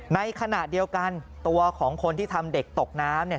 ในขณะเดียวกันตัวของคนที่ทำเด็กตกน้ำเนี่ย